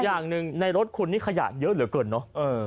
อย่างหนึ่งในรถคุณนี่ขยะเยอะเหลือเกินเนอะ